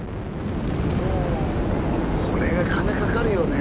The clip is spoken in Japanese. これが金かかるよね。